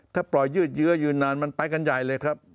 ถ้าปล่อยยืดเยื้อยืนนานมันไปกันใหญ่เลยครับ